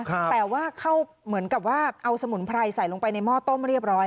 แต่ว่าเข้าเหมือนกับว่าเอาสมุนไพรใส่ลงไปในหม้อต้มเรียบร้อย